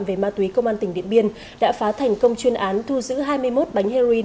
về ma túy công an tỉnh điện biên đã phá thành công chuyên án thu giữ hai mươi một bánh heroin